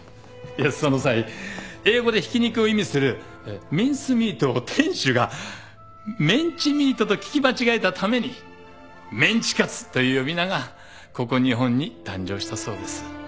その際英語でひき肉を意味する「Ｍｉｎｃｅｍｅａｔ」を店主が「メンチミート」と聞き間違えたために「メンチカツ」という呼び名がここ日本に誕生したそうです。